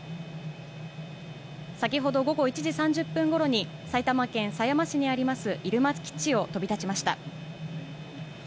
先ほど午後１時３０分ごろに、埼玉県狭山市にあります入間基地を飛び立ちました。